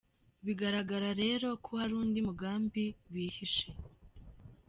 Bigaragara rero ko hari undi mugambi bihishe !